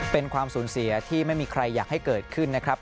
เป็นความสูญเสียที่ไม่มีใครอยากให้เกิดขึ้นนะครับ